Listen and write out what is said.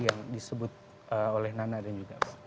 yang disebut oleh nana dan juga